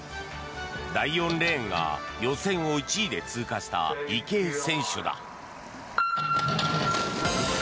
第４レーンが予選を１位で通過した池江選手だ。